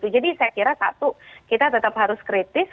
jadi saya kira satu kita tetap harus kritis